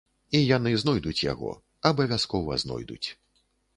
І яны знойдуць яго, абавязкова знойдуць.